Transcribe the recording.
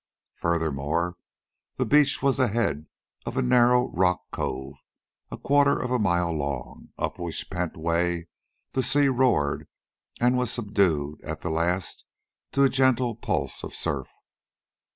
Furthermore, the beach was the head of a narrow rock cove, a quarter of a mile long, up which pent way the sea roared and was subdued at the last to a gentle pulse of surf.